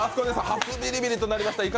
初のビリビリになりました。